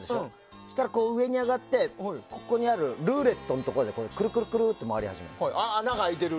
そうしたら上に上がってルーレットのところでくるくるって回り始めるの。